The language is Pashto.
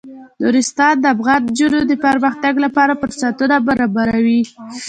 نورستان د افغان نجونو د پرمختګ لپاره فرصتونه برابروي.